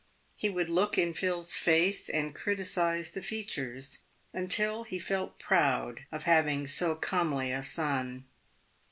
He would look in Phil's face and criticise the features, until he felt proud of having so comely a, son.